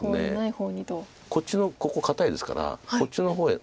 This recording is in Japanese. こっちのここ堅いですからこっちの方へ。